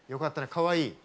かわいい？